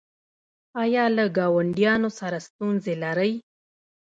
ایا له ګاونډیانو سره ستونزې لرئ؟